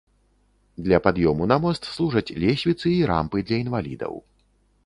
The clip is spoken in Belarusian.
Для пад'ёму на мост служаць лесвіцы і рампы для інвалідаў.